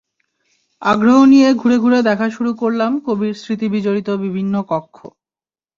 আগ্রহ নিয়ে ঘুরে ঘুরে দেখা শুরু করলাম কবির স্মৃতিবিজড়িত বিভিন্ন কক্ষ।